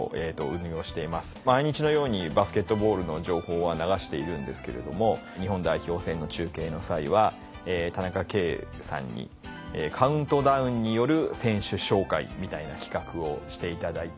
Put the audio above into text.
毎日のようにバスケットボールの情報は流しているんですけれども日本代表戦の中継の際は田中圭さんにカウントダウンによる選手紹介みたいな企画をしていただいて。